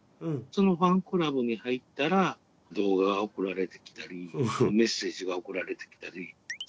そのファンクラブに入ったら動画が送られてきたりメッセージが送られてきたりするんですね。